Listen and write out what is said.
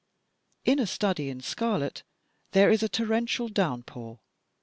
In "A Study in Scarlet" there is a torrential downpour.